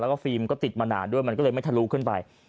แล้วก็ฟิล์มก็ติดมานานด้วยมันก็เลยไม่ทะลุขึ้นไป